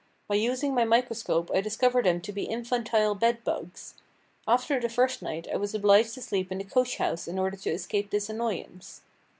By using my microscope I discovered them to be infantile bedbugs. After the first night I was obliged to sleep in the coach house in order to escape this annoyance."